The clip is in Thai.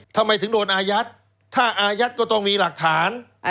ทำไมถึงโดนอายัดถ้าอายัดก็ต้องมีหลักฐาน